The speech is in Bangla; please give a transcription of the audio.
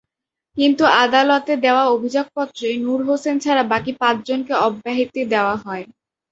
কিন্তু আদালতে দেওয়া অভিযোগপত্রে নূর হোসেন ছাড়া বাকি পাঁচজনকে অব্যাহতি দেওয়া হয়।